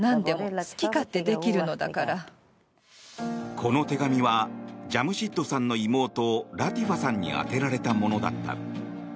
この手紙はジャムシッドさんの妹ラティファさんに宛てられたものだった。